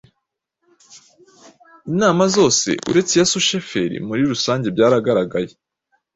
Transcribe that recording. Inama zose, uretse iya susheferi, muri rusange byagaragaye